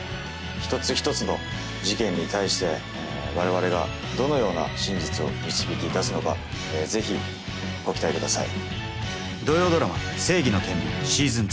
一つ一つの事件に対して我々がどのような真実を導き出すのか是非ご期待ください。